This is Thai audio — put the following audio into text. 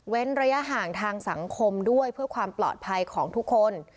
ระยะห่างทางสังคมด้วยเพื่อความปลอดภัยของทุกคน